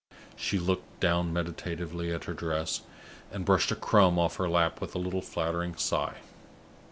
She looked down meditatively at her dress, and brushed a crumb off her lap with a little flattering sigh.